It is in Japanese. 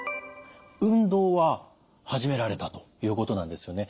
運動は始められたということなんですよね。